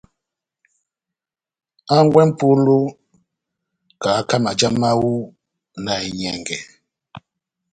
Hangwɛ M'polo, kahaka maja mahu na enyɛngɛ.